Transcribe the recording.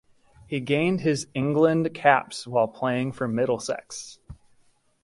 He gained his England caps while playing for Middlesex.